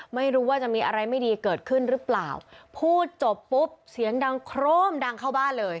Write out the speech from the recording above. ไม่รู้ว่าจะมีอะไรไม่ดีเกิดขึ้นหรือเปล่าพูดจบปุ๊บเสียงดังโครมดังเข้าบ้านเลย